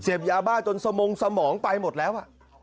เสพยาบ้าจนสมองไปหมดแล้ว